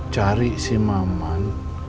cari si maman